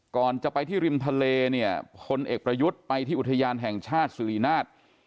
ก่อนจะไปที่ริมทะเลเนี่ยพลเอกประยุทธ์ไปที่อุทยานแห่งชาติสุรินาท